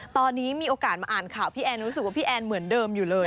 ตอนนี้มีโอกาสมาอ่านข่าวพี่แอนรู้สึกว่าพี่แอนเหมือนเดิมอยู่เลย